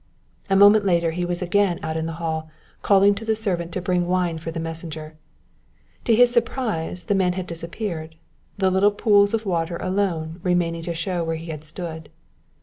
A moment later he was again out in the hall, calling to the servant to bring wine for the messenger. To his surprise the man had disappeared, the little pools of water alone remaining to show where he had stood.